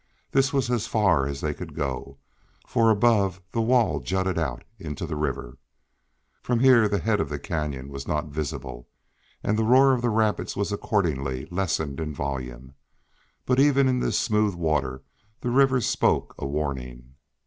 This was as far as they could go, for above the wall jutted out into the river. From here the head of the Canyon was not visible, and the roar of the rapids was accordingly lessened in volume. But even in this smooth water the river spoke a warning.